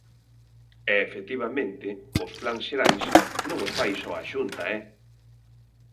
E, efectivamente, os plans xerais non os fai só a Xunta, ¡eh!